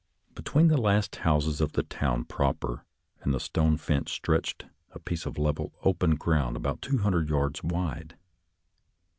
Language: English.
Between the last houses of the town proper and the stone fence stretched a piece of level, open ground about two hundred yards wide.